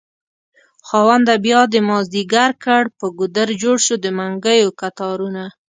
خاونده بيادی مازد يګر کړ په ګودر جوړشو دمنګيو کتارونه